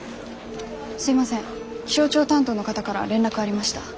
すいません気象庁担当の方から連絡ありました。